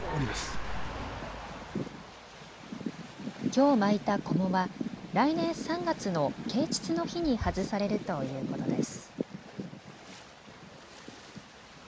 きょう巻いたこもは来年３月の啓ちつの日に外されるということです。